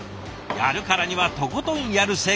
やるからにはとことんやる性格。